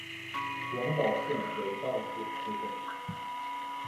广岛县尾道市出身。